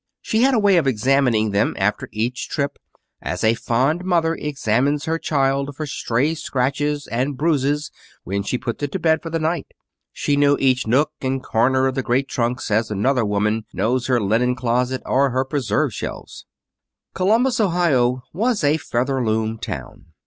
She had a way of examining them after each trip, as a fond mother examines her child for stray scratches and bruises when she puts it to bed for the night. She knew each nook and corner of the great trunks as another woman knows her linen closet or her preserve shelves. Columbus, Ohio, was a Featherloom town.